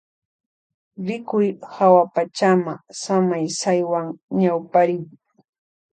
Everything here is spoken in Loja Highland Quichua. Rikuy hawapachama samaysaywan ñawpariy.